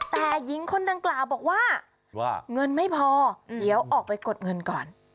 แต่หญิงคนดังกล่าวบอกว่าเงินไม่พอเดี๋ยวออกไปกดเงินก่อน